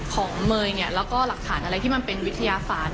ของเมย์แล้วก็หลักฐานอะไรที่เป็นวิทยาศาสตร์